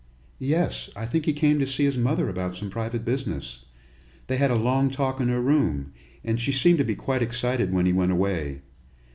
"Yes. I think he came to see his mother about some private business. They had a long talk in her room, and she seemed to be quite excited when he went away.